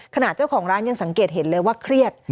เจ้าของร้านยังสังเกตเห็นเลยว่าเครียด